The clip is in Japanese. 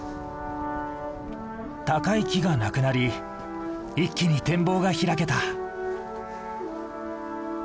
高い木がなくなり一気に展望が開けた。